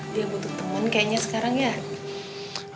dia butuh teman kayaknya sekarang ya